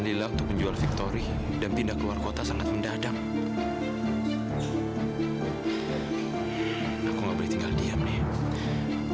lila untuk menjual victory dan pindah keluar kota sangat mendadak aku enggak boleh tinggal diam nih